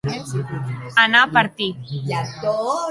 Anar a partir.